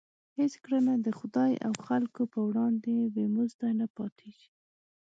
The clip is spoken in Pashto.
هېڅ کړنه د خدای او خلکو په وړاندې بې مزده نه پاتېږي.